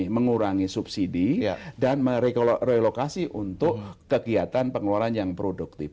mengurangi subsidi dan merelokasi untuk kegiatan pengeluaran yang produktif